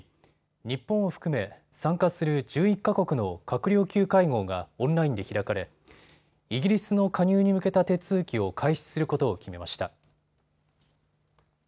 日本を含め参加する１１か国の閣僚級会合がオンラインで開かれイギリスの加入に向けた手続きを開始することを決めました。